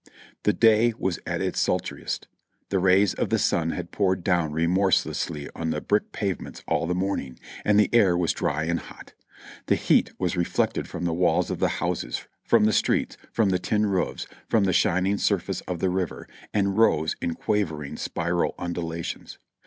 The day was at its sultriest; the rays of the sun had poured down remorselessly on the brick pavements all the morning, and the air was dry and hot. The heat was reflected from the walls of the houses, from the streets, from the tin roofs, from the shining surface of the river, and rose in quivering, spiral undulations.